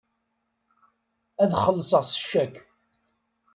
Ad xellṣeɣ s ccak.